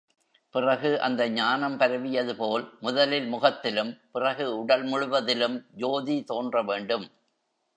பிறகு அந்த ஞானம் பரவியது போல் முதலில் முகத்திலும் பிறகு உடல் முழுவதிலும் ஜோதி தோன்ற வேண்டும்.